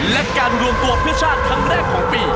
และการรวมตัวเพื่อชาติครั้งแรกของปี